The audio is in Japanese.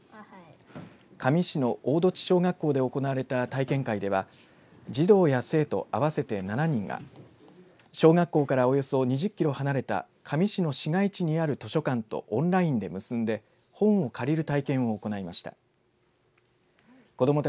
香美市の大栃小学校で行われた体験会では児童や生徒合わせて７人が小学校からおよそ２０キロ離れた香美市の市街地にある図書館とオンラインで結んで本を借りる体験を行いました。